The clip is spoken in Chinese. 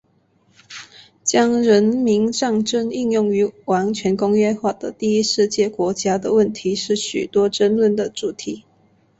将人民战争应用于完全工业化的第一世界国家的问题是许多争论的主题。